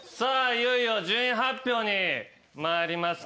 いよいよ順位発表に参ります。